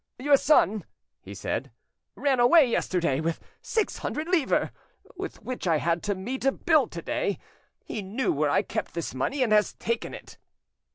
"Your son," he said, "ran away yesterday with six hundred livres, with which I had to meet a bill to day. He knew where I kept this money, and has taken it."